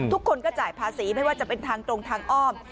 ทุกคนก็จ่ายภาษีไม่ว่าจะเป็นทางตรงทางอ้อม